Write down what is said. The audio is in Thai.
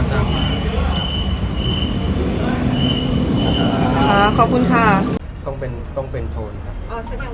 ขอบคุณค่ะต้องเป็นต้องเป็นโทนครับ